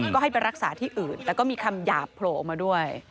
ก็ให้ไปรักษาที่อื่นแต่ก็มีคำหยาบโผล่ออกมาด้วย